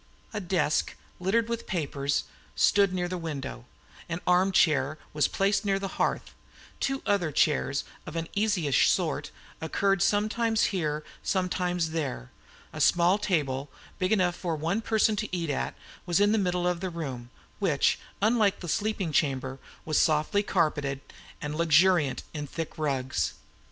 A desk, littered with papers, stood in the window; an arm chair was placed near the hearth; two other chairs of an easyish sort occurred, sometimes here, sometimes there; a small table, big enough for one person to eat at, was in the middle of the room, which, unlike the sleeping chamber, was softly carpeted and luxuriant in thick rugs.